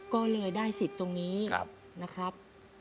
ก็เลยได้สิทธิ์ตรงนี้นะครับ